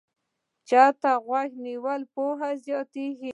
چا ته غوږ نیول پوهه زیاتوي